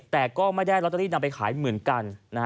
แต่ก็ไม่ได้ลอตเตอรี่นำไปขายเหมือนกัน